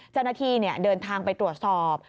เจ้าหน้าที่เดินทางไปตรวจสอบ